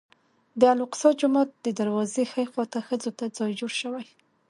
د الاقصی جومات د دروازې ښي خوا ته ښځو ته ځای جوړ شوی.